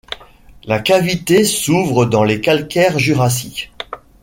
La cavité s'ouvre dans les calcaires jurassiques.